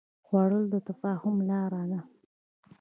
خوړل د تفاهم لاره ده